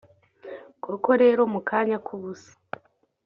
Koko rero mu kanya k’ubusa